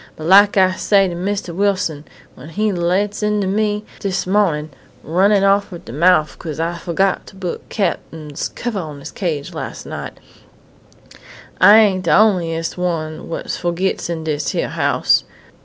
But lak I say to Mistah Wilson, when he lights into me dis mawnin', runnin' off at de mouf 'cause I fo'got to put Cap'n's covah on his cage las' night, I ain't de onliest one what fo'gits in dis hyar house....